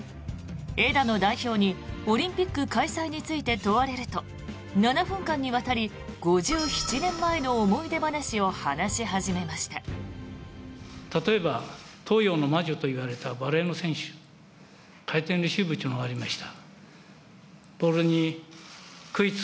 枝野代表にオリンピック開催について問われると７分間にわたり５７年前の思い出話を話し始めました。